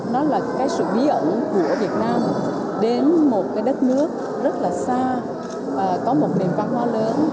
nó là cái sự bí ẩn của việt nam đến một cái đất nước rất là xa có một nền văn hóa lớn